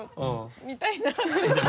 見たいなって